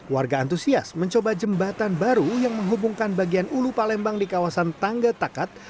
warga antusias mencoba jembatan baru yang menghubungkan bagian ulu palembang di kawasan tangga takat